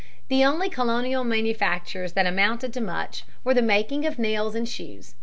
The only colonial manufactures that amounted to much were the making of nails and shoes.